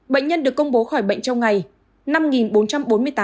bệnh nhân được công bố khỏi bệnh trong ngày